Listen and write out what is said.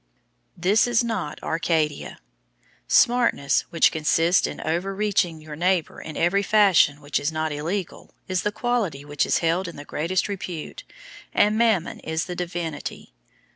This is not Arcadia. "Smartness," which consists in over reaching your neighbor in every fashion which is not illegal, is the quality which is held in the greatest repute, and Mammon is the divinity.